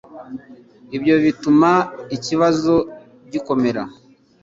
Ibyo bituma ikibazo gikomera